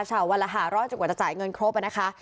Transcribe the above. เฉ่าวันรหาร้อยจนกว่าจะจ่ายเงินครบไปนะคะ